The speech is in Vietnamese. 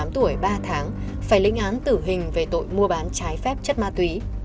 một mươi tám tuổi ba tháng phải lĩnh ám tử hình về tội mua bán trái phép chất ma túy